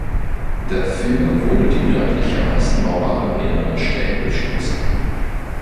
Dafür wurde die nördliche Außenmauer an mehreren Stellen durchstoßen.